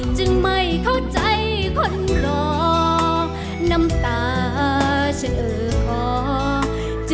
จึงไม่เข้าใจคนรอ